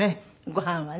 ご飯はね。